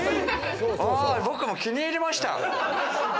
僕、気に入りました！